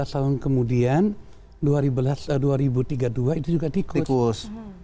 lima belas tahun kemudian dua ribu tiga puluh dua itu juga tikus